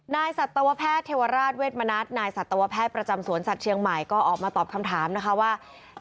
สัตวแพทย์เทวราชเวทมณัฐนายสัตวแพทย์ประจำสวนสัตว์เชียงใหม่ก็ออกมาตอบคำถามนะคะว่า